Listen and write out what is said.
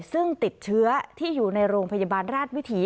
ซึ่งติดเชื้อที่อยู่ในโรงพยาบาลราชวิถี